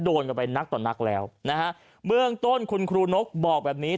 โดนกันไปนักต่อนักแล้วนะฮะเบื้องต้นคุณครูนกบอกแบบนี้